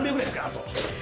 あと。